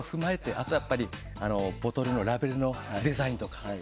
あとはやっぱりボトルのラベルのデザインとか。